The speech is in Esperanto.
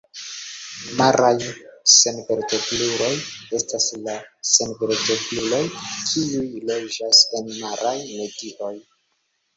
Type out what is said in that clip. Maraj senvertebruloj estas la senvertebruloj kiuj loĝas en maraj medioj.